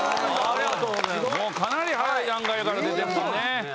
かなり早い段階から出てるもんね。